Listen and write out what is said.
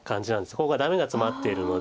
ここがダメがツマっているので。